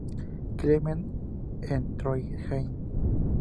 Klement en Trondheim.